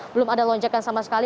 belum ada lonjakan sama sekali